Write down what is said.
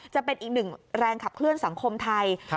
จะเป็นอีกหนึ่งแรงขับเคลื่อนสังคมไทย